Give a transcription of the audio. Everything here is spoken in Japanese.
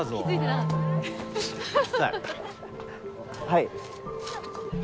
はい。